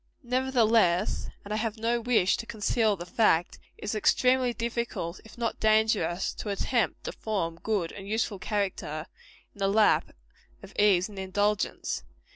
Nevertheless and I have no wish to conceal the fact it is extremely difficult, if not dangerous, to attempt to form good and useful character in the lap of ease and indulgence.